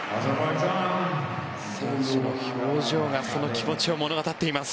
選手の表情がその気持ちを物語っています。